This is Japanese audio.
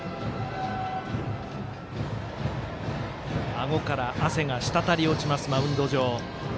あごから汗が滴り落ちますマウンド上。